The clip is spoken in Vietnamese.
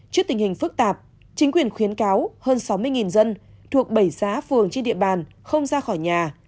trước tình hình phức tạp chính quyền khuyến cáo hơn sáu mươi dân thuộc bảy xã phường trên địa bàn không ra khỏi nhà